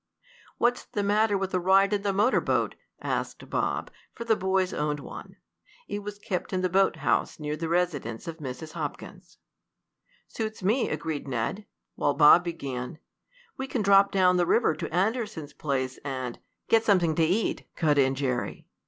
"What's the matter with a ride in the motor boat?" asked Bob, for the boys owned one. It was kept in the boathouse near the residence of Mrs. Hopkins. "Suits me," agreed Ned, while Bob began: "We can drop down the river to Anderson's place and " "Get something to eat," cut in Jerry.